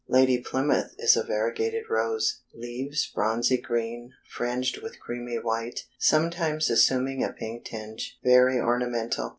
Lady Plymouth is a variegated rose; leaves bronzy green, fringed with creamy white, sometimes assuming a pink tinge; very ornamental.